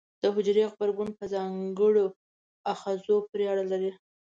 د حجرې غبرګون په ځانګړو آخذو پورې اړه لري.